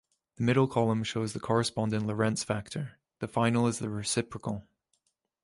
The middle column shows the corresponding Lorentz factor, the final is the reciprocal.